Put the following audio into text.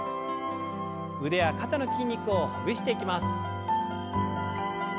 腕や肩の筋肉をほぐしていきます。